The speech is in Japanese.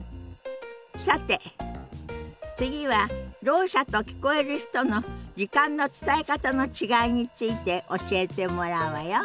さて次はろう者と聞こえる人の時間の伝え方の違いについて教えてもらうわよ。